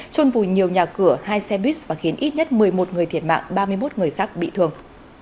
trôn vùi nhiều nhà cửa hai xe buýt và khiến ít nhất một mươi một người thiệt mạng ba mươi một người khác bị thương